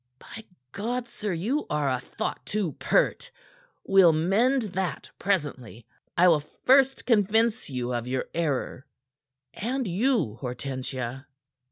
"By God, sir! You are a thought too pert. We'll mend that presently. I will first convince you of your error, and you, Hortensia."